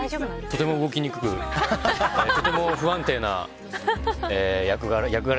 とても動きにくくとても不安定な役柄。